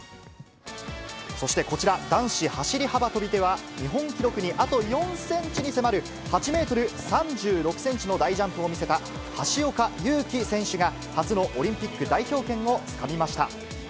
そして、こちら、男子走り幅跳びでは日本記録にあと４センチに迫る、８メートル３６センチの大ジャンプを見せた橋岡優輝選手が、初のオリンピック代表権をつかみました。